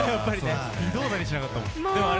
微動だにしなかったもん。